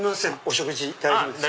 食事大丈夫ですか？